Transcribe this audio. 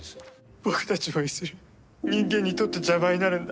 僕たちはいずれ人間にとって邪魔になるんだ。